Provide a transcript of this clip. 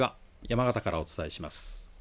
山形からお伝えします。